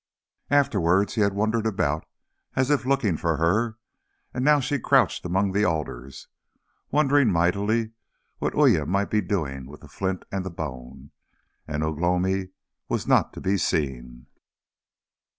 Afterwards he had wandered about as if looking for her. And now she crouched among the alders, wondering mightily what Uya might be doing with the flint and the bone. And Ugh lomi was not to be seen.